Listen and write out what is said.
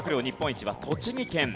日本一は栃木県。